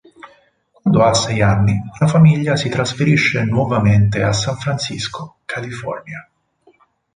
Quando ha sei anni la famiglia si trasferisce nuovamente a San Francisco, California.